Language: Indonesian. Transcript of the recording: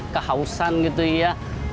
kehausan gitu ya